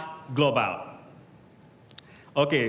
dan mencapai satu triliun dolar amerika serikat